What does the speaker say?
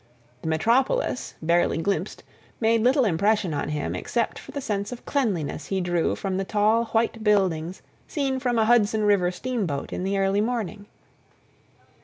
The metropolis, barely glimpsed, made little impression on him, except for the sense of cleanliness he drew from the tall white buildings seen from a Hudson River steamboat in the early morning.